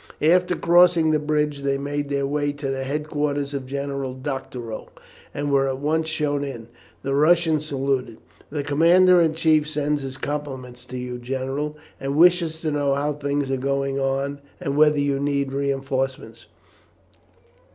After crossing the bridge they made their way to the headquarters of General Doctorow, and were at once shown in. The Russian saluted: "The commander in chief sends his compliments to you, general, and wishes to know how things are going on, and whether you need reinforcements.